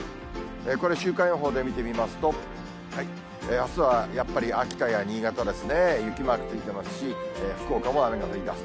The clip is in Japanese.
これ、週間予報で見てみますと、あすはやっぱり秋田や新潟ですね、雪マークついてますし、福岡も雨が降りだす。